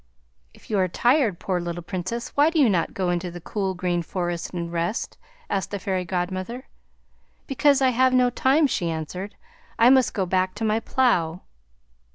"If you are tired, poor little Princess, why do you not go into the cool green forest and rest?" asked the Fairy Godmother. "Because I have no time," she answered. "I must go back to my plough."